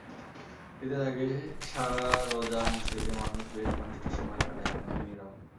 ঈদের আগে সারা রোজা মসজিদে মানুষ বেশ ঘনিষ্ঠ সময় কাটায়, এমনকি মেয়েরাও।